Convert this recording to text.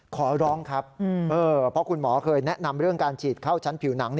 ขอร้องครับเพราะคุณหมอเคยแนะนำเรื่องการฉีดเข้าชั้นผิวหนัง